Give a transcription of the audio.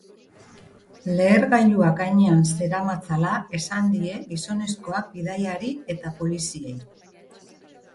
Lehergailuak gainean zeramatzala esan die gizonezkoak bidaiari eta poliziei.